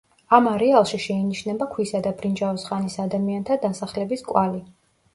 ამ არეალში შეინიშნება ქვისა და ბრინჯაოს ხანის ადამიანთა დასახლების კვალი.